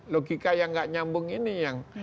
logika yang nggak nyambung ini yang